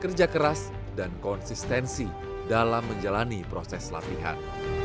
kerja keras dan konsistensi dalam menjalani proses latihan